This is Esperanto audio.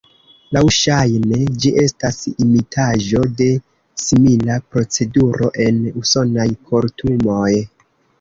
Laŭŝajne ĝi estas imitaĵo de simila proceduro en usonaj kortumoj.